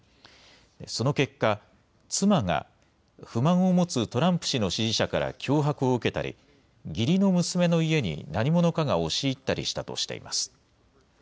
その結果、妻が不満を持つトランプ氏の支持者から脅迫を受けたり義理の娘の家に何者かが押し入ったりしたとしています。